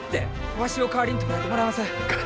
わしを代わりに捕らえてもらいます。